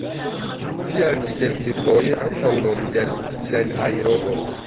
Tial ĝi kelkfoje ankaŭ nomiĝas Ŝanhajrobo.